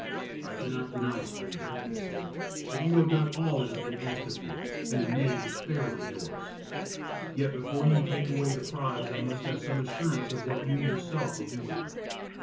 "I cannot deny, stranger," he said, "that you have done all that has been asked of you, and the maid is fairly yours. Yet before you take away the prize I must have some assurance of what you yourself will do with her.